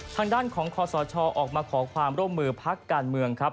ทางด้านของคอสชออกมาขอความร่วมมือพักการเมืองครับ